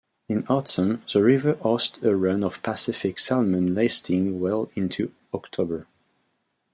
In autumn, the river hosts a run of pacific salmon lasting well into October.